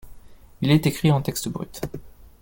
Il est écrit en texte brut.